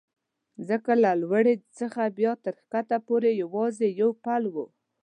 ځکه له لوړې څخه بیا تر کښته پورې یوازې یو پل و.